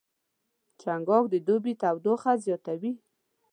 چنګاښ د دوبي تودوخه زیاتوي.